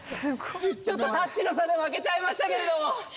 ちょっとタッチの差で負けちゃいましたけれども。